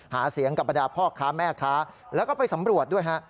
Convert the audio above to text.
หาเสียงกับบรรดาพ่อค้าแม่ค้าแล้วก็ไปสำรวจด้วยฮะ